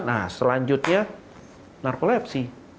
nah selanjutnya narkolepsi